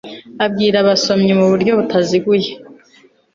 abwira abasomyi mu buryo butaziguye